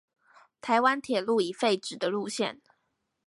臺灣鐵路已廢止的路線